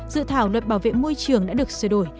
dự thảo luật bảo vệ môi trường đã được sửa đổi